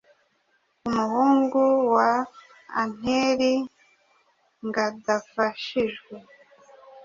Umuhungu wa athelingadafashijwe